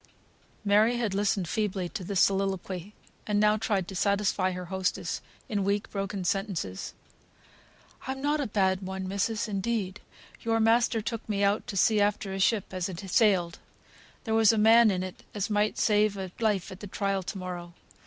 Mary had listened feebly to this soliloquy, and now tried to satisfy her hostess in weak, broken sentences. "I'm not a bad one, missis, indeed. Your master took me out to sea after a ship as had sailed. There was a man in it as might save a life at the trial to morrow.